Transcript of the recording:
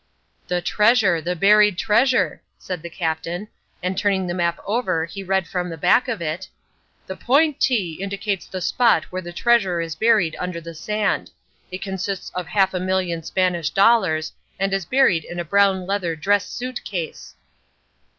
"The treasure, the buried treasure," said the Captain, and turning the map over he read from the back of it—"The point T indicates the spot where the treasure is buried under the sand; it consists of half a million Spanish dollars, and is buried in a brown leather dress suit case."